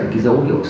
cái dấu hiệu